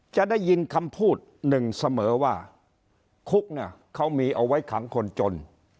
จะได้ยินคำพูดหนึ่งเสมอว่าคุกเนี่ยเขามีเอาไว้ขังคนจน